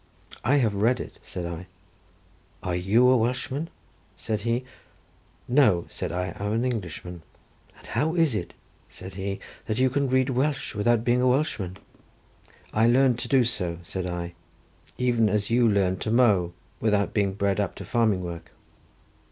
"I have read it," said I. "Are you a Welshman?" said he. "No," said I; "I am an Englishman." "And how is it," said he, "that you can read Welsh without being a Welshman?" "I learned to do so," said I, "even as you learned to mow, without being bred up to farming work."